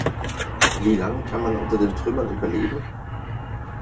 Wie lang kann man unter den Trümmern überleben?